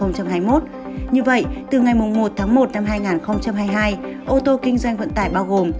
như vậy từ ngày một tháng một năm hai nghìn hai mươi hai ô tô kinh doanh vận tải bao gồm